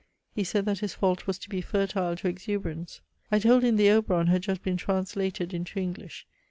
He said that his fault was to be fertile to exuberance. I told him the OBERON had just been translated into English.